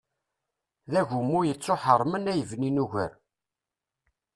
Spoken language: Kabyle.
D agummu yettuḥeṛṛmen ay bnin ugar.